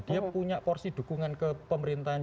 dia punya porsi dukungan ke pemerintahan